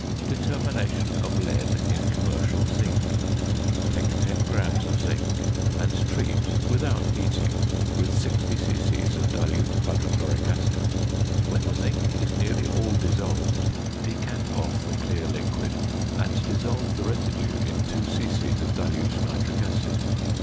~Determination of Lead in Commercial Zinc.~ Take 10 grams of zinc, and treat (without heating) with 60 c.c. of dilute hydrochloric acid. When the zinc is nearly all dissolved, decant off the clear liquid, and dissolve the residue in 2 c.c. of dilute nitric acid.